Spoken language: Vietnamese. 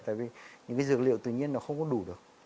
tại vì những cái dược liệu tự nhiên nó không có đủ được